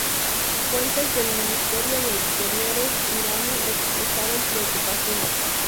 Fuentes del ministerio de Exteriores iraní expresaron preocupación.